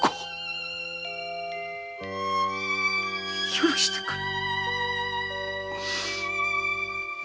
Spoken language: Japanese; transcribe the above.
許してくれ。